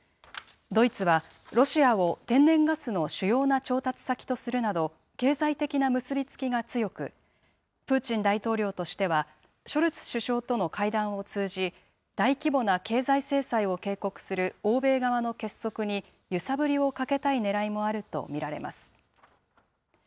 ドイツは、ロシアを天然ガスの主要な調達先とするなど経済的な結び付きが強く、プーチン大統領としては、ショルツ首相との会談を通じ、大規模な経済制裁を警告する欧米側の結束に揺さぶりをかけたいねらいもあると見られます。